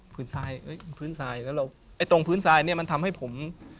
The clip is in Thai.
ทรายเอ้ยพื้นทรายแล้วเราไอ้ตรงพื้นทรายเนี่ยมันทำให้ผม